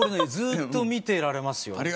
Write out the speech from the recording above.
ずっと見てられますよ。